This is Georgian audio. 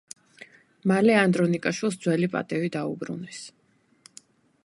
მალე ანდრონიკაშვილს ძველი პატივი დაუბრუნეს.